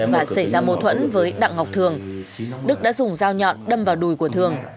và xảy ra mâu thuẫn với đặng ngọc thường đức đã dùng dao nhọn đâm vào đùi của thường